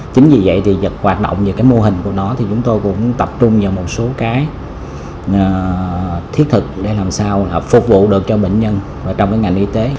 chính vì vậy dật hoạt động và mô hình của nó chúng tôi cũng tập trung vào một số thiết thực để làm sao phục vụ được cho bệnh nhân trong ngành y tế